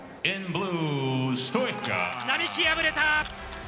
並木敗れた！